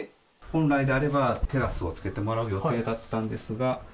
本来であれば、テラスをつけてもらう予定だったんですが。